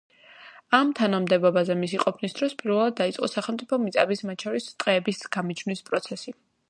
ამ თანამდებობაზე მისი ყოფნის დროს პირველად დაიწყო სახელმწიფო მიწების, მათ შორის ტყეების გამიჯვნის პროცესი.